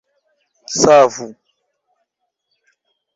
Savu!